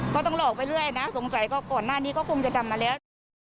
ต้องหลอกไปเรื่อยนะสงสัยก็ก่อนหน้านี้ก็คงจะทำมาแล้ว